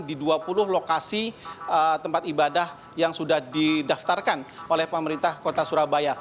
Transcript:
di dua puluh lokasi tempat ibadah yang sudah didaftarkan oleh pemerintah kota surabaya